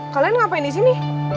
kalian ngapain di sini